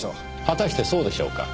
果たしてそうでしょうか。